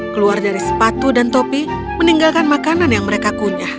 keluar dari sepatu dan topi meninggalkan makanan yang mereka kunyah